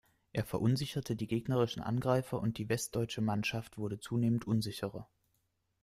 Er verunsicherte die gegnerischen Angreifer, und die westdeutsche Mannschaft wurde zunehmend unsicherer.